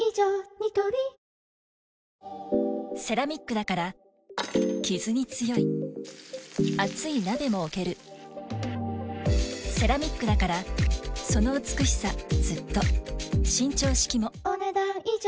ニトリセラミックだからキズに強い熱い鍋も置けるセラミックだからその美しさずっと伸長式もお、ねだん以上。